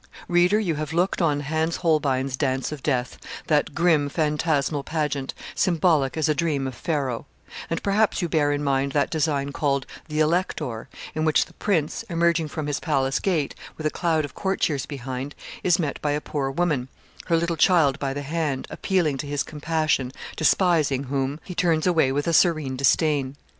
Reader, you have looked on Hans Holbein's 'Dance of Death,' that grim, phantasmal pageant, symbolic as a dream of Pharaoh; and perhaps you bear in mind that design called 'The Elector,' in which the Prince, emerging from his palace gate, with a cloud of courtiers behind, is met by a poor woman, her little child by the hand, appealing to his compassion, despising whom, he turns away with a serene disdain.